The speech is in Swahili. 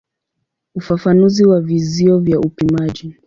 Ufafanuzi wa vizio vya upimaji.